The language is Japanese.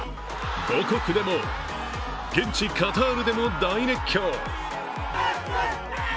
母国でも、現地カタールでも大熱狂